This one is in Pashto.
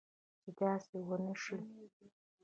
چې داسي و نه شي